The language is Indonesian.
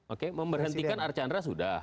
oke memberhentikan archandra sudah